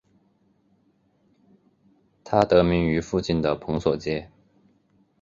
它得名于附近的蓬索街。